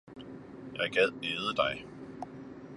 jeg gad æde dig!